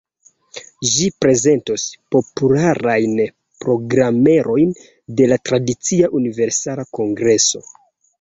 Ĝi prezentos popularajn programerojn de la tradicia Universala Kongreso.